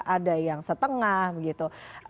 ada yang setengah begitu